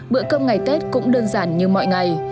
bữa cơm ngày tết cũng đơn giản như mọi ngày